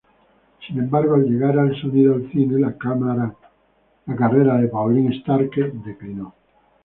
Sin embargo, al llegar el sonido al cine, la carrera de Pauline Starke declinó.